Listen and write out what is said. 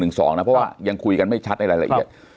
เพราะว่ายังคุยกันไม่ชัดในรายละเอียด